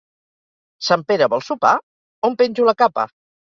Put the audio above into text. Sant Pere, vols sopar? —On penjo la capa?